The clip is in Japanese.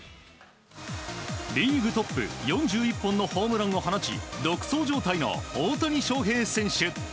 リーグトップ４１本のホームランを放ち独走状態の大谷翔平選手。